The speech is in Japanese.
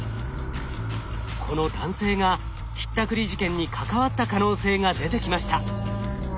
この男性がひったくり事件に関わった可能性が出てきました。